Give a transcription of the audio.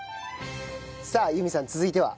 さあ由美さん続いては？